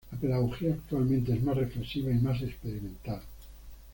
La pedagogía actualmente, es más reflexiva y más experimental.